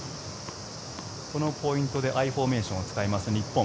このポイントでＩフォーメーションを使います。